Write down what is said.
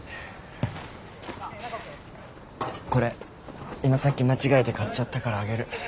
これ今さっき間違えて買っちゃったからあげる。